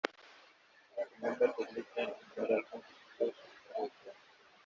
Remember The Laughter es el primer álbum de estudio en solitario de Toro.